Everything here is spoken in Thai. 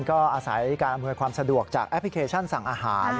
ก็อาศัยการอำนวยความสะดวกจากแอปพลิเคชันสั่งอาหาร